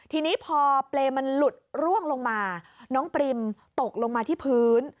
ทีนี้พอเปรย์มันหลุดร่วงลงมาน้องปริมตกลงมาที่พื้น